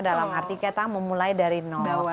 dalam arti kita memulai dari now